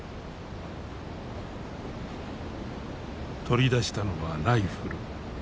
取り出したのはライフル。